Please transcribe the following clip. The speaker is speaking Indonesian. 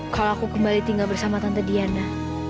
kalau aku kembali tinggal bersama tante diana